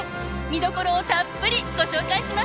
見どころをたっぷりご紹介します！